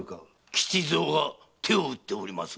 吉蔵が手を打っておりますが。